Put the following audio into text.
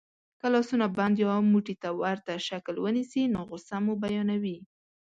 که لاسونه بند یا موټي ته ورته شکل کې ونیسئ نو غسه مو بیانوي.